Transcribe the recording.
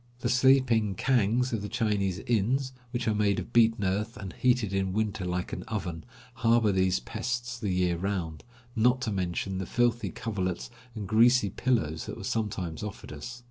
The sleeping kangs of the Chinese inns, which are made of beaten earth and heated in winter like an oven, harbor these pests the year round, not to mention the filthy coverlets and greasy pillows that were sometimes offered us.